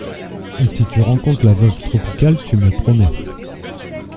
Et, si tu rencontres la veuve Tropical, tu me promets…